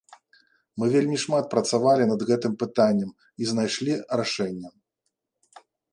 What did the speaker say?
Мы вельмі шмат працавалі над гэтым пытаннем і знайшлі рашэнне.